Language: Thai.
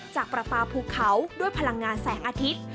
ประปาภูเขาด้วยพลังงานแสงอาทิตย์